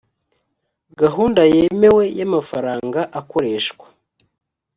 gahunda yemewe y amafaranga akoreshwa